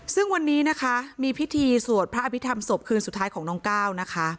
ซึ่งวันนี้นะคะมีพิธีสวดพระอภิษฐรรมศพคืนสุดท้ายของน้องก้าวนะคะ